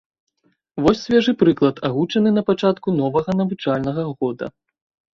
Вось свежы прыклад, агучаны на пачатку новага навучальнага года.